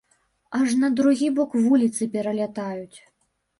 Аж на другі бок вуліцы пералятаюць.